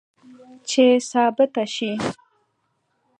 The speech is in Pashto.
چې ثابته شي